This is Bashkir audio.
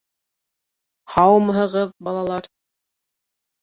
Һаумыһығыҙ, балалар!